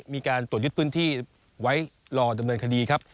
มีการตรวจยึดพื้นที่ไว้รอดำเนินคดีครับ